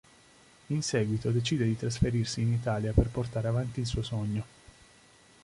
In seguito, decide di trasferirsi in Italia per portar avanti il suo sogno.